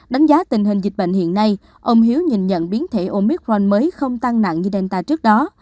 đánh giá tình hình dịch bệnh hiện nay ông hiếu nhìn nhận biến thể omic ron mới không tăng nặng như delta trước đó